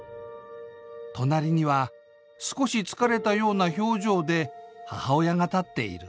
となりには少し疲れた様な表情で母親が立っている。